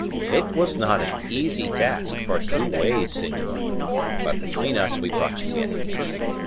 It was not an easy task, for you weigh, senor; but between us we brought you in."